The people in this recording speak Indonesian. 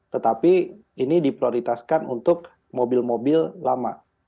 tetapi ini diprioritaskan untuk mobil mobil lama